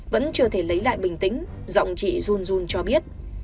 vẫn chưa thể lấy lại bình tĩnh giọng chị run run cho biết